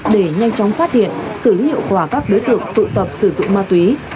để nhanh chóng phát hiện xử lý hiệu quả các đối tượng tụ tập sử dụng ma túy